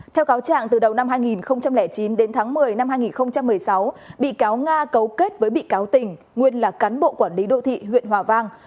theo cáo trạng từ đầu năm hai nghìn chín đến tháng một mươi năm hai nghìn một mươi sáu bị cáo nga cấu kết với bị cáo tình nguyên là cán bộ quản lý đô thị huyện hòa vang